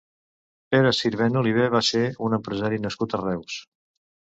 Pere Sirvent Oliver va ser un empresari nascut a Reus.